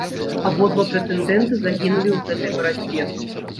Абодва прэтэндэнты загінулі ў гэтай барацьбе.